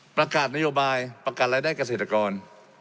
ประกาศนโยบายประกันรายได้เกษตรกร